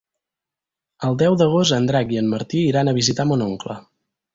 El deu d'agost en Drac i en Martí iran a visitar mon oncle.